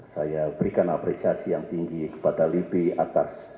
saya berikan apresiasi yang tinggi kepada libi atas